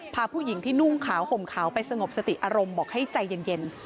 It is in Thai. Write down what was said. พาผู้หญิงที่นุ่งขาวห่มขาวไปสงบสติอารมณ์บอกให้ใจเย็น